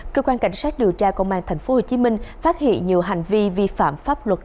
cơ quan cảnh sát điều tra công an tp hcm phát hiện nhiều hành vi vi phạm pháp luật